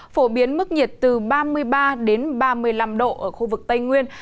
phổ biến mức nhiệt từ ba mươi ba ba mươi năm độ ở khu vực tây nguyên